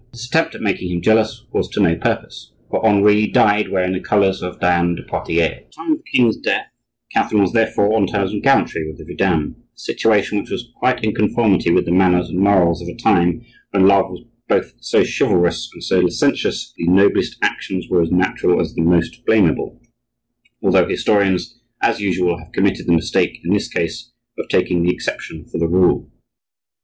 This attempt at making him jealous was to no purpose, for Henri died wearing the colors of Diane de Poitiers. At the time of the king's death Catherine was, therefore, on terms of gallantry with the vidame,—a situation which was quite in conformity with the manners and morals of a time when love was both so chivalrous and so licentious that the noblest actions were as natural as the most blamable; although historians, as usual, have committed the mistake in this case of taking the exception for the rule.